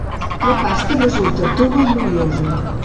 La pasta resulta tova i oliosa.